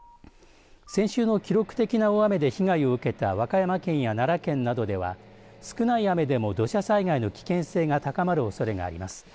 先週の記録的な大雨で被害を受けた和歌山県や奈良県などでは少ない雨でも土砂災害の危険が高まるおそれがあります。